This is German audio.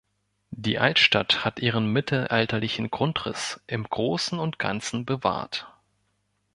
Die Altstadt hat ihren mittelalterlichen Grundriss im Großen und Ganzen bewahrt.